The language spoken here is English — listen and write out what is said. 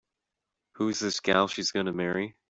Who's this gal she's gonna marry?